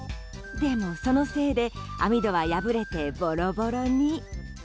でも、そのせいで網戸は破れてボロボロに。